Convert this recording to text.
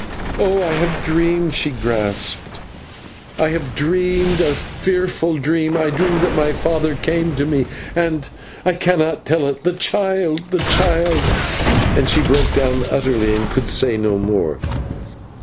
"Oh! I have dreamed," she gasped. "I have dreamed a fearful dream. I dreamed that my father came to me, and I cannot tell it the child the child " and she broke down utterly, and could say no more.